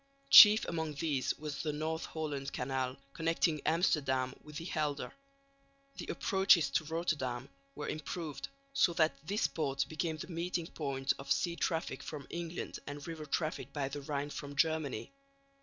Chief among these was the North Holland Canal, connecting Amsterdam with the Helder. The approaches to Rotterdam were improved, so that this port became the meeting point of sea traffic from England and river traffic by the Rhine from Germany.